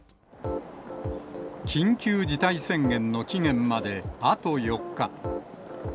緊急事態宣言の期限まであと４日。